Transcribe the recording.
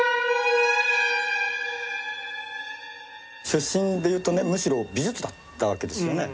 出身でいうとねむしろ美術だったわけですよね？